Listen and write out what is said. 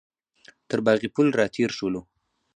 تر باغ پل راتېر شولو.